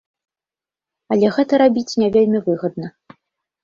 Але гэта рабіць не вельмі выгадна.